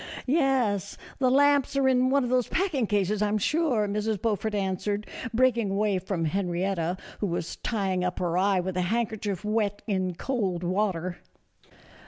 " Yes, the lamps are in one of those packing cases, I 'm sure," Mrs. Beaufort answered, breaking away from Henrietta, who was tying up her eye with a handkerchief wet in cold water.